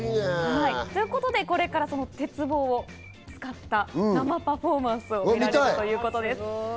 ということで、これから、その鉄棒を使った生パフォーマンスを見せてくださるということです。